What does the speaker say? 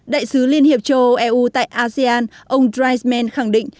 đại sứ liên hiệp châu âu eu tại asean ông dreisman khẳng định